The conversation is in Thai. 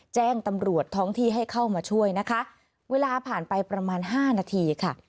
แจ้งตำรวจท้องที่ให้เข้ามาช่วยนะคะเวลาผ่านไปประมาณห้านาทีค่ะ